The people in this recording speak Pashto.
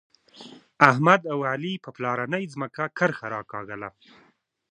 احمد او علي په پلارنۍ ځمکه کرښه راکاږله.